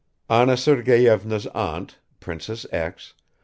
Anna Sergeyevna's aunt, Princess X.